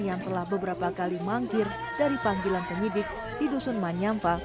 yang telah beberapa kali mangkir dari panggilan penyidik di dusun manyampa